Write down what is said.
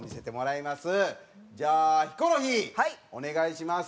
じゃあヒコロヒーお願いします。